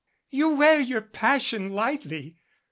You wear your passion lightly.